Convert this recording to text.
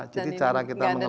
jadi cara kita mengelola